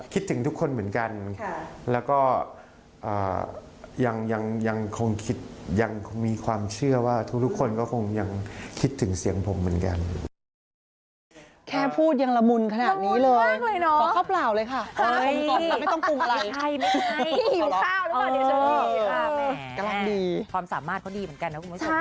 คิดถึงทุกคนเหมือนกันแล้วก็ยังมีความเชื่อว่าทุกคนก็คงยังคิดถึงเสียงผมเหมือนกัน